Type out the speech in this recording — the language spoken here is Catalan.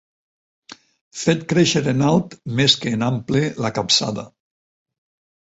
Fet créixer en alt més que en ample la capçada.